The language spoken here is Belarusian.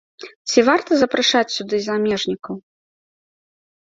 Ці варта запрашаць сюды замежнікаў?